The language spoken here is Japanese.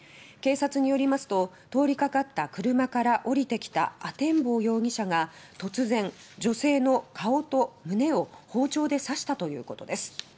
警察によりますと通りかかった車から降りてきた阿天坊容疑者が突然、女性の顔と胸を包丁で刺したということです。